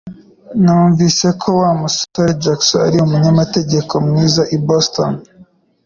Numvise ko Wa musore Jackson ari umunyamategeko mwiza i Boston